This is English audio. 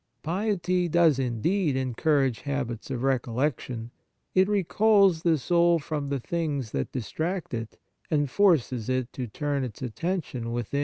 Piety does, indeed, encourage habits of recollection ; it recalls the soul from the things that distract it, and forces it to turn its attention withm.